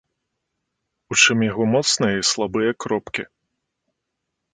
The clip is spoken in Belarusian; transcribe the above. У чым яго моцныя і слабыя кропкі.